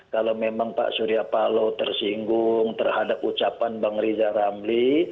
kalau memang pak suryapalo tersinggung terhadap ucapan bang rizal ramli